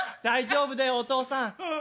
大丈夫だよお父さん。